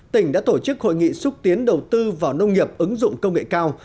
tỉnh đã tổ chức hội nghị xúc tiến đầu tư vào nông nghiệp ứng dụng công nghệ cao